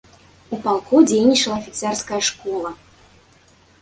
У палку дзейнічала афіцэрская школа.